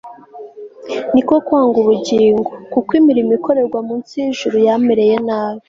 ni ko kwanga ubugingo, kuko imirimo ikorerwa munsi y'ijuru yamereye nabi